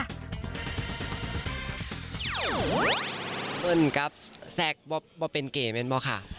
บรรเทวนกับแซคบอกเป็นเก๋ไหมมั้ยคะ